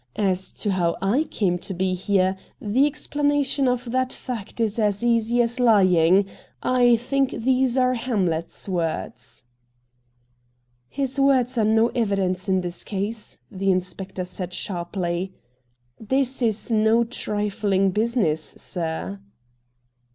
As to how I came to be here, the explanation of that fact is as easy as lying — ^I think these are Hamlet's words.' ' His words are no e\'idence in this case,' the inspector said sharply. ' This is no trifling business, sir.'